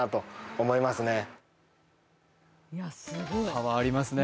パワーありますね。